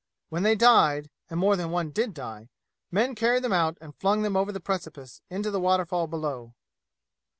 When they died and more than one did die men carried them out and flung them over the precipice into the waterfall below.